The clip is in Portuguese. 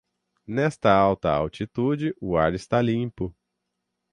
Nesta alta altitude, o ar está limpo.